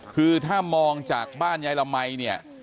คือถ้ามองจากบ้านใยละมัย